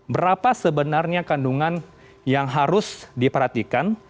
berapa sebenarnya kandungan yang harus diperhatikan